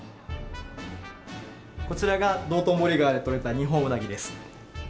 こちらが道頓堀川で取れたニホンウナギです。